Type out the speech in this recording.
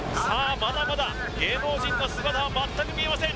まだまだ芸能人の姿は全く見えません